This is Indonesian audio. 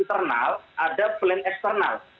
internal ada plan eksternal